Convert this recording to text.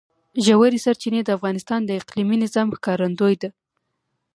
ژورې سرچینې د افغانستان د اقلیمي نظام ښکارندوی ده.